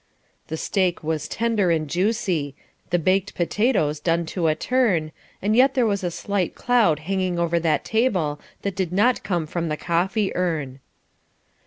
The steak was tender and juicy, the baked potatoes done to a turn, and yet there was a slight cloud hanging over that table that did not come from the coffee urn.